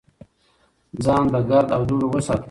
ځان له ګرد او دوړو وساتئ.